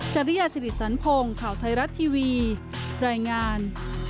จริยาสิริสันพงศ์ข่าวไทยรัฐทีวีรายงาน